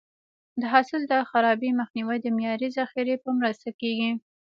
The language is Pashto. د حاصل د خرابي مخنیوی د معیاري ذخیرې په مرسته کېږي.